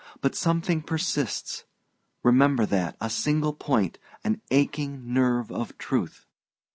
But something persists remember that a single point, an aching nerve of truth.